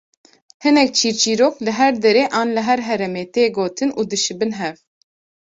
Hinek çîrçîrok li her derê an li her heremê tê gotin û dişibin hev